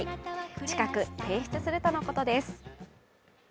近く提出するとのことです。